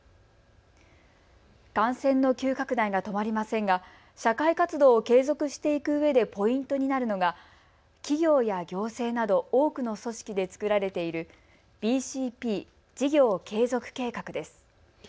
感染の急拡大が止まりませんが社会活動を継続していくうえでポイントになるのが企業や行政など多くの組織で作られているＢＣＰ・事業継続計画です。